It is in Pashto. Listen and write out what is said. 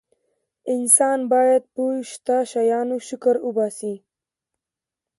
انسان باید په شته شیانو شکر وباسي.